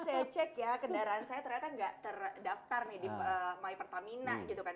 saya cek ya kendaraan saya ternyata nggak terdaftar nih di my pertamina gitu kan